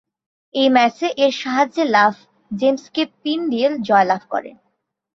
এই ম্যাচে -এর সাহায্যে লাভ জেমসকে পিন দিয়ে জয়লাভ করেন।